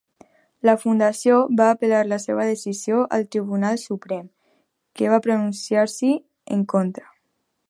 La fundació va apel·lar la seva decisió al Tribunal Suprem, que va pronunciar-s'hi en contra.